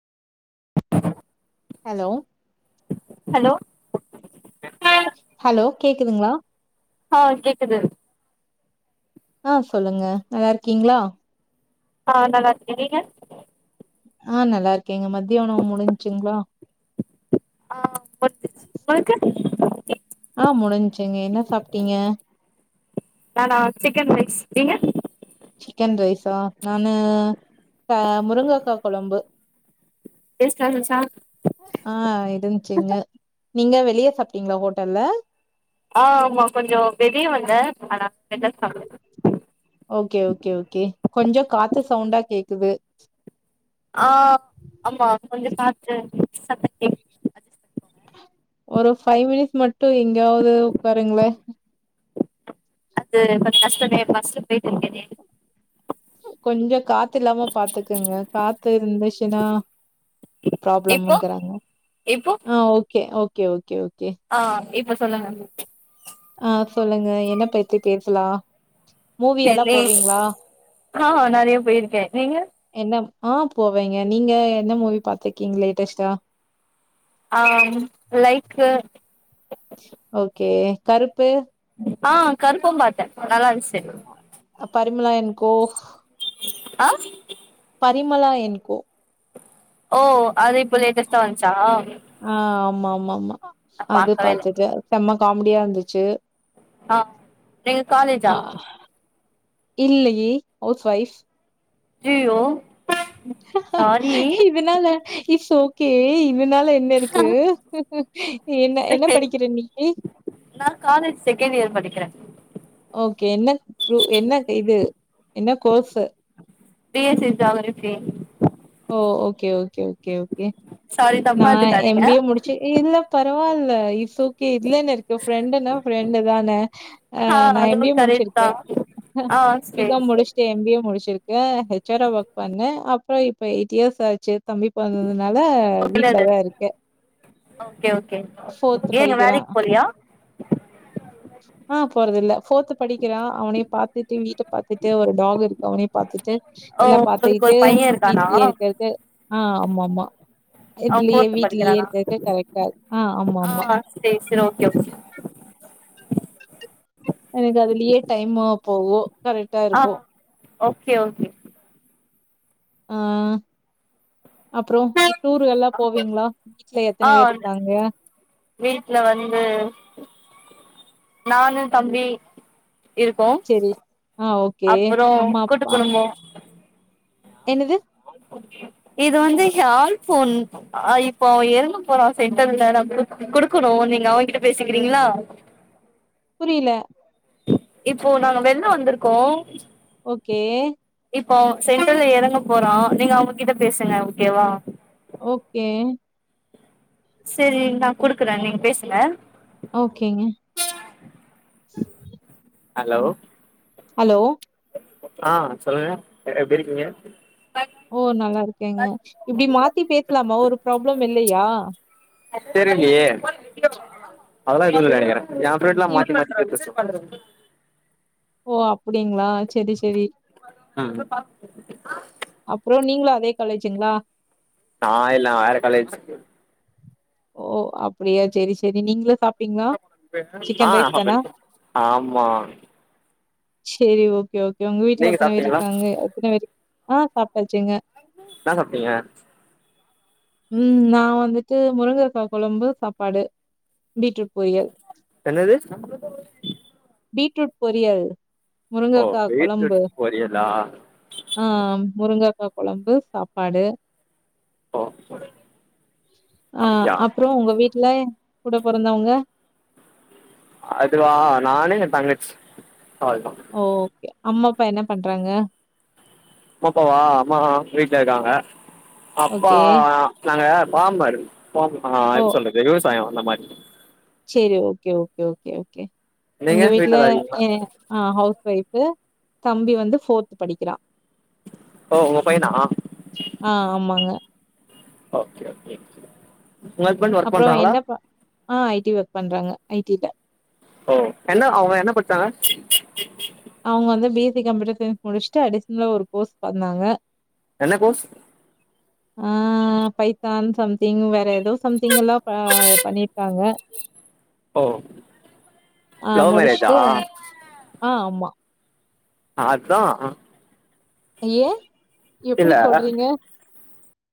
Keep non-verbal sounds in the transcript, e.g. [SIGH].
[INAUDIBLE] Hello hello hello கேக்குதுங்ளா ஆ கேக்குது ஆ சொல்லுங்க நல்லார்க்கீங்ளா ஆ நல்லார்க்கே நீங்க ஆ நல்லாருக்கேங்க மத்ய உணவு முடிஞ்சுங்ளா ஆ முடிஞ்சிர்ச்சு உங்களுக்கு ஆ முடிஞ்சுங்க என்ன சாப்ட்டீங்க நானா சிக்கன் ரைஸ் நீங்க [INAUDIBLE] சிக்கன் ரைஸா நானு பே முருங்கக்கா கொழம்பு டேஸ்ட்டா இருந்துச்சா ஆ இருந்ச்சுங்க நீங்க வெளிய சாப்ட்டீங்ளா ஹோட்டல்ல ஆ ஆமா கொஞ்சோ வெளிய வந்தே அதனால வெள்ல சாப்ட்ட ஓகே ஓகே ஓகே கொஞ்சோ காத்து சவுண்டா கேக்குது ஆ ஆமா கொஞ்சோ காத்து சத்தோ கேக் ஒரு ஃபைவ் மினிட்ஸ் மட்டு எங்கியாவது உக்காருங்ளே இது கொஞ்சோ கஷ்டமே பஸ்லப் போயிட்டு இருக்கனே கொஞ்சோ காத்து இல்லாம பாத்துக்கங்க காத்து இருந்துச்சுனா இப்போ பராப்ளம்ங்கறாங்க இப்போ ஆ ஓகே ஓகே ஓகே ஓகே ஆ இப்ப சொல்லுங்க. ஆ சொல்லுங்க என்ன பெத்தி பேசலா மூவி எல்லா டென்னிஸ் போவீங்களா? ஆ நெறையப் போயிருக்கே நீங்க என்னப் ஆ போவேங்க நீங்க என்ன மூவி பாத்திக்கீங் லேட்டஸ்ட்டா ஆ ம் லைக்கு ஓகே கருப்பு ஆ கருப்பு பாத்தே நல்லாந்துச்சு பரிமளா என் கோ ஆ பரிமளா என் கோ ஓ அது இப்போ லேட்டஸ்டா வந்ச்சா ஆ ஆமா ஆமா ஆமா அது பாக்கவே இல்ல பாத்துட்டு செம காமெடியா இருந்துச்சு ஆ நீங்க காலேஜா ஆ இல்லையே ஹவுஸ் ஒய்ஃப் ஜியோ இதுனால இட்ஸ் ஓகே இதுனால என்ன இருக் ருக்கு என்ன என்ன படிக்கிற நீ நா காலேஜ் செகண்ட் இயர் படிக்கிறே ஓகே என்ன குரூ என்ன இது என்ன course B S C geography oh okay okay okay okay sorry நா தப்பா எம் எடுத்துக்காதீங்க பி ஏ முடிச்சி இல்ல பரவால்ல இட்ஸ் ஓ கே இதுல என்ன இருக்க ஃபிரெண்டு நா ஃபிரெண்டு தான ஆ நா எம் அதுவு பி கரெக்ட் தா முடிச்சிருக்கே ஆ சேரி பிகாம் சேரி முடிச் எம் பி ஏ முடிச்சிருக்கே ஹச்சாரா ஒர்க் பண்ணே அப்றோ இப்ப எயிட் இயர்ஸ் ஆச்சு தம்பி போறததுனால ஆ வீட்ல தா இருக்கே ஓகே ஓகே ஏங்க படிக்கிறான். வேலைக்கு போலயா ஆ போறது இல்ல ஃபோர்த்து படிக்கிறா அவனே பாத்துட்டு வீட்ட பாத்துட்டு ஒரு டாக் இருக்கு அவனயு பாத்துட்டு ஓ எல்லா உங்களுக்கு ஒரு பாத்துக்கிட்டு பைய இருக்கானா வீட்லியே இருக்குறது ஆ ஆமா ஆமா அவ இதுலியே ஃபோர்த் வீட்லியே படிக்கிறானா இருக்கக்க கரெக்டா இருக் ஆ ஆமா ஆமா சேரி சேரி ஓகே ஓகே எனக்கு அதுலியே டைமாவு போவு கரெக்ட்டா ஆ இருக்கு ஓகே ஓகே ஆ அப்றோ டூர்கள்லா போவீங்களா வீட்ல ஆ எத்தன பேர் இருக்காங்க வீட்ல வந்து நானு தம்பி இருக்கோ சரி. ஆ ஓகே. அப்றோ அம்மா, கூட்டு அப்பா குடும்போ என்னது இது வந்து ஏன் ஆளு ஃபோன் ஆ இப்போ அவே எறங்க போறா சென்டர்ல நான் குடுக்குணு நீங்க அவகிட்ட பேசிக்கிறீங்களா புரில இப்போ நாங்க வெள்ள வந்துருக்கோ ஓகே இப்போ அவ சென்டர்ல எறங்க போறா நீங்க அவங்கிட்ட பேசுங்க ஓகே வா ஓகே செரி நா குடுக்குறே நீங்க பேசுங்க ஓகேங்க ஹலோ ஹலோ ஆ சொல்லுங்க எப்டி இருக்கீங்க ஓ நல்லா இருக்கேங்க இப்டி மாத்தி பேசலாமா ஒரு ப்ராப்ளம் இல்லயா தெரியலயே அதல்லாம் எதுவும் இல்லனு நெனைக்கிறோ ஏன் ஃப்ரெண்டுல இவ் மாத்தி மாத்தி அஜ்ஸ் பன்னுறது ஓ அப்டிங்களா செரி செரி அ அப்றோ நீங்களும் அதே காலேஜுங்களா நா இல்ல வேற காலேஜ் ஓ அப்டியா செரி செரி நீங்க சா ஆ ஆமா செரி ஓகே ஓகே உங்க வீட்ல நீங்க எத்தன பேர் சாப்ட்டீங்களா இருக்காங்க எத்தன பேரு ஆ சாப்ட்டாச்சுங்க என்னா சாப்பிட்டீங்க ம் நான் வந்துட்டு முருங்கக்கா குழம்பு சாப்பாடு பீட்ரூட் பொரியல் என்னது பீட்ரூட் பொரியல் ஓ முருங்கக்கா பீட்ரூட் குழம்பு பொரியலா ஆ முருங்காக்கா குழம்பு சாப்பாடு அப்பியா அப்றோ உங்க வீட்ல கூட பொறந்தாவங்க அதுவா நானு என் தங்கச்சி அவ்ளோ தான் ஓ ஓகே அம்மா அப்பா என்ன பண்றாங்க அம்ப்பாவா அம்மா வீட்ல இருக்காங்க அப்பா ஓகே. நாங்க ஃபாமர் ஆ எப்டி சொல்றது விவசாயம் அந்த மாரி செரி ஓகே ஓகே ஓகே ஓகே நீங்க எங்க வீட்ல வீட்லதா இருக்கீங்களா ஆ ஹவுஸ் ஒய்ஃப் தம்பி வந்து ஃபோர்து படிக்கிறான் ஓ உங்க பையனா ஆ ஆமாங்க ஓகே ஓகே உங்க ஹஸ்பண்ட் ஒர்க் அப்றோ பண்றாங்களா என்ன ப ஆ ஐ டி ஒர்க் பண்றாங்க ஐ டிலே ஓ என்ன அவங்க என்ன பட்ச்சாங்க அவங்க வந்து B S C computer science முடிச்சுட்டு அடிஷனல ஒரு கோர்ஸ் பண்ணாங்க என்ன கோஸ் ஆ பைத்தான் சம்திங் வேற ஏதோ சம்திங் எல்லாம் பண்ணிருக்காங்க ஒ ஆ லவ் மேரேஜா முடிச்சுட்டு ஆ ஆமா அதான் ஏன் எப்படி இல்லை சொல்றீங்க